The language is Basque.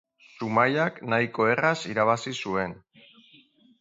Zumaiak nahiko erraz irabazi zuen.